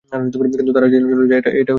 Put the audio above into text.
কিন্তু তারা যেন চলে যায়, এটা নিশ্চিত করবি।